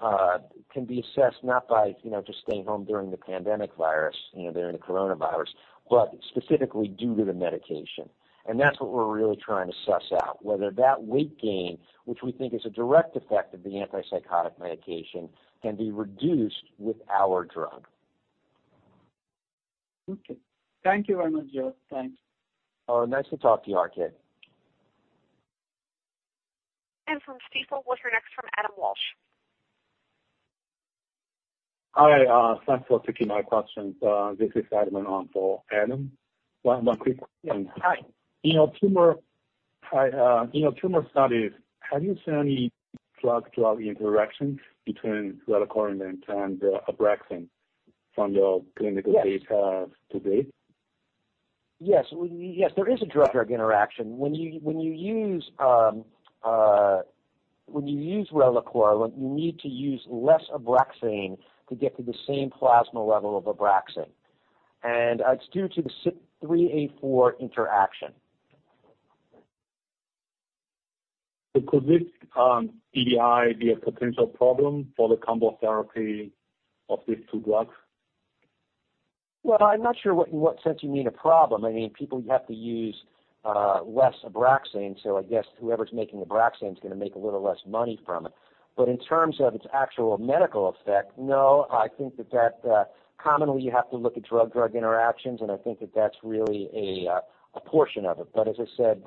be assessed not by just staying home during the pandemic virus, during the coronavirus, but specifically due to the medication. That's what we're really trying to suss out, whether that weight gain, which we think is a direct effect of the antipsychotic medication, can be reduced with our drug. Okay. Thank you very much, Joe. Thanks. Nice to talk to you, R.K. From Stifel, we'll hear next from Adam Walsh. Hi. Thanks for taking my questions. This is Adam with one quick question. Hi. In your tumor studies, have you seen any drug-drug interaction between relacorilant and ABRAXANE from your clinical data? Yes to date? Yes. There is a drug-drug interaction. When you use relacorilant, you need to use less ABRAXANE to get to the same plasma level of ABRAXANE. It's due to the CYP3A4 interaction. Could this DDI be a potential problem for the combo therapy of these two drugs? I'm not sure in what sense you mean a problem. People have to use less ABRAXANE. I guess whoever's making ABRAXANE is going to make a little less money from it. In terms of its actual medical effect, no, I think that commonly you have to look at drug-drug interactions, and I think that that's really a portion of it. As I said,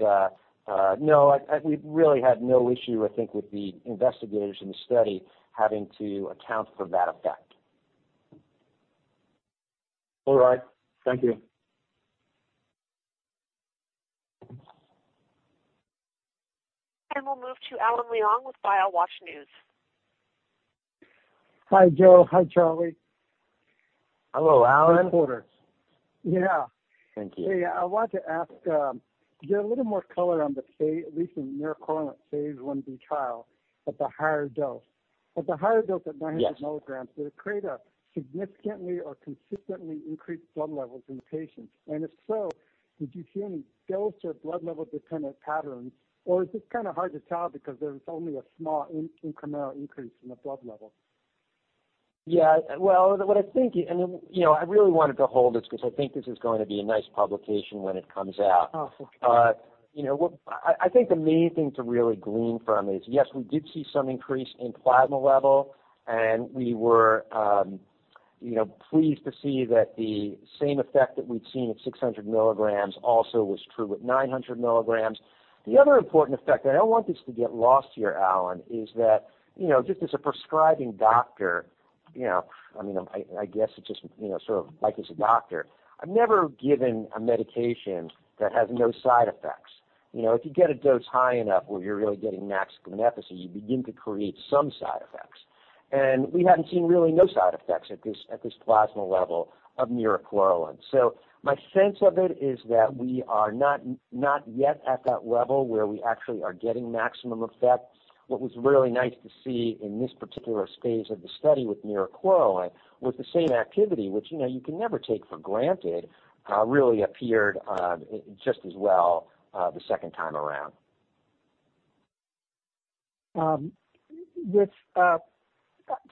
no, we've really had no issue, I think, with the investigators in the study having to account for that effect. All right. Thank you. We'll move to Alan Leong with Biowatch News. Hi, Joe. Hi, Charlie. Hello, Alan. Great quarters. Thank you. Hey, I wanted to ask, get a little more color on the phase, at least in miricorilant phase I-B trial at the higher dose. Yes Did it create a significantly or consistently increased blood levels in patients? If so, did you see any dose or blood level-dependent patterns, or is this kind of hard to tell because there's only a small incremental increase from the blood level? Yeah. Well, what I think, and I really wanted to hold this because I think this is going to be a nice publication when it comes out. Oh, okay. I think the main thing to really glean from is, yes, we did see some increase in plasma level, and we were pleased to see that the same effect that we'd seen at 600 milligrams also was true at 900 milligrams. The other important effect, I don't want this to get lost here, Alan, is that, just as a prescribing doctor, I guess it's just sort of like as a doctor, I've never given a medication that has no side effects. If you get a dose high enough where you're really getting maximum efficacy, you begin to create some side effects. We haven't seen really no side effects at this plasma level of miricorilant. My sense of it is that we are not yet at that level where we actually are getting maximum effect. What was really nice to see in this particular phase of the study with miricorilant was the same activity, which you can never take for granted, really appeared just as well the second time around.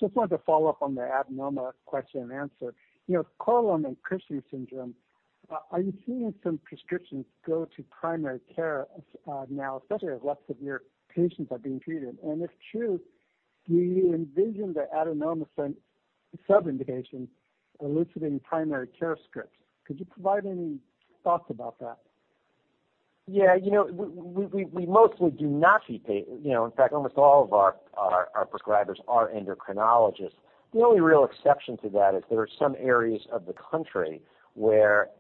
Just wanted to follow up on the adenoma question-and-answer. With Cushing's syndrome, are you seeing some prescriptions go to primary care now, especially as lots of your patients are being treated? If true, do you envision the adenoma sub-indication eliciting primary care scripts? Could you provide any thoughts about that? Yeah. We mostly do not see patients. In fact, almost all of our prescribers are endocrinologists. The only real exception to that is there are some areas of the country where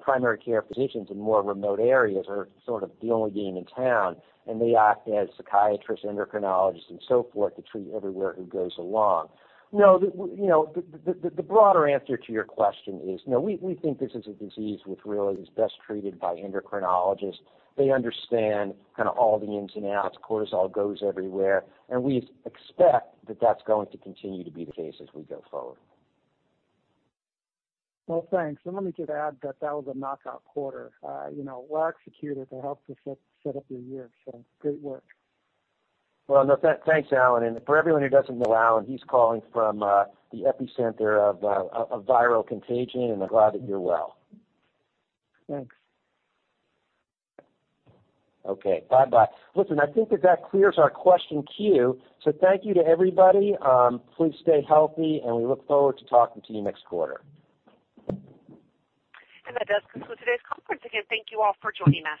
primary care physicians in more remote areas are sort of the only game in town, and they act as psychiatrists, endocrinologists, and so forth to treat everywhere who goes along. No, the broader answer to your question is, no, we think this is a disease which really is best treated by endocrinologists. They understand kind of all the ins and outs. Cortisol goes everywhere. We expect that that's going to continue to be the case as we go forward. Well, thanks. Let me just add that that was a knockout quarter. Well executed to help to set up your year. Great work. Well, thanks, Alan. For everyone who doesn't know Alan, he's calling from the epicenter of viral contagion, and I'm glad that you're well. Thanks. Okay. Bye bye. Listen, I think that clears our question queue. Thank you to everybody. Please stay healthy, and we look forward to talking to you next quarter. That does conclude today's conference. Again, thank you all for joining us.